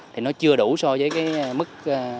thì nó chưa đủ so với mức